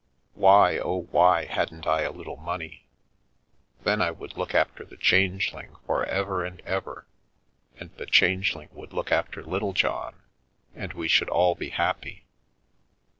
Why, oh, why, hadn't I a little money? Then I would look after the Change ling for ever and ever, and the Changeling would look after Littlejohn, and we should all be happy.